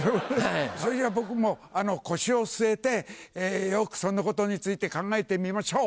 それじゃあ僕も腰を据えてよくそのことについて考えてみましょう！